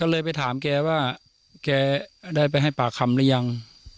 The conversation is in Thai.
ก็เลยไปถามแกว่าแกได้ไปให้ปากคำหรือยัง